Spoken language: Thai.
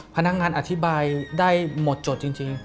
พนักงานอธิบายได้หมดจดจริง